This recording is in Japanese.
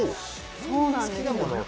そうなんです。